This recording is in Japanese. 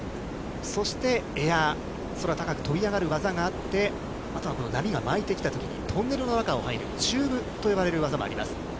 そしてエアー、空高く飛び上がる技があって、あとはこの波が巻いてきたときに、トンネルの中を入る、チューブといわれる技があります。